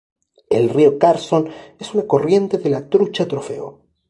El río Carson es una corriente de la trucha trofeo.